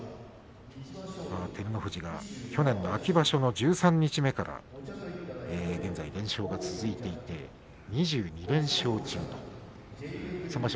照ノ富士が去年の秋場所の十三日目から現在、連勝が続いていて２２連勝中です。